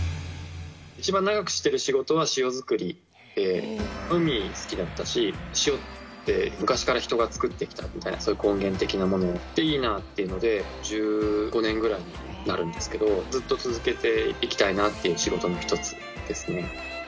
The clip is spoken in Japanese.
一番長くしてる仕事は塩作りで、海好きだったし、塩って昔から人が作ってきたみたいな、そういう根源的なものでいいなというので、１５年ぐらいになるんですけど、ずっと続けていきたいなという仕事の１つですね。